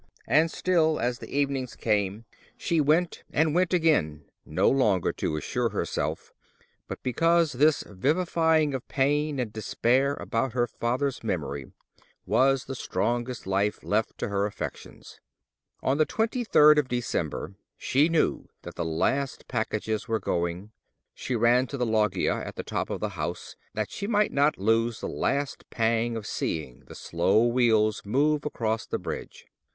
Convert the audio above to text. And still, as the evenings came, she went and went again; no longer to assure herself, but because this vivifying of pain and despair about her father's memory was the strongest life left to her affections. On the 23rd of December, she knew that the last packages were going. She ran to the loggia at the top of the house that she might not lose the last pang of seeing the slow wheels move across the bridge.